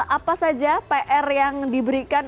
apa saja pr yang diberikan